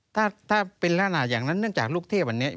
ถ้าเป็นลักษณะอย่างนั้นเนื่องจากลูกเทพอันนี้